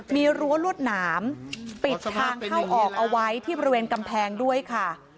มีรั้วลวดหนามปิดทางเข้าออกเอาไว้ที่บริเวณกำแพงด้วยค่ะ